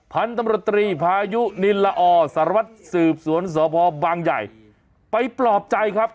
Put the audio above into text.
พันธุ์ตำรวจตรีพายุนินละอสารวัตรสืบสวนสพบางใหญ่ไปปลอบใจครับ